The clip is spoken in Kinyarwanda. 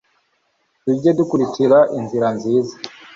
tujye dukurikira inzira nziza